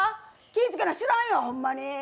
気ぃつけな知らんよ、ほんまに。